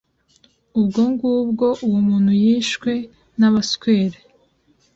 ubwo ngubwo uwo muntu yishwe n’abaswere